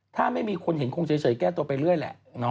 ถ้าไม่มีคนเห็นคงเฉยแก้ตัวไปเรื่อยแหละ